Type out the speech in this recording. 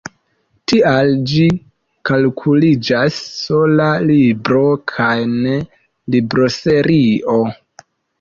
Tial ĝi kalkuliĝas sola libro kaj ne libroserio.